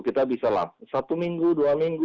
kita bisa satu minggu dua minggu